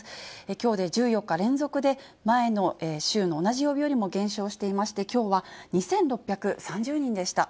きょうで１４日連続で、前の週の同じ曜日よりも減少していまして、きょうは２６３０人でした。